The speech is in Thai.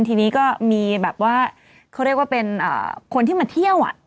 ทีนี้ก็มีแบบว่าเขาเรียกว่าเป็นคนที่มาเที่ยว